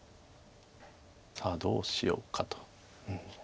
さあどうしようかと。